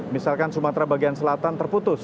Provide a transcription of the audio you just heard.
misalkan sumatera bagian selatan terputus